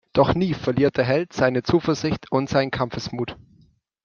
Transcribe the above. Doch nie verliert der Held seine Zuversicht und seinen Kampfesmut.